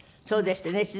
そうですってね。